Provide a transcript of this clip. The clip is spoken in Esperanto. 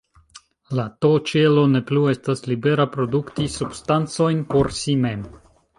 La T-ĉelo ne plu estas libera produkti substancojn por si mem.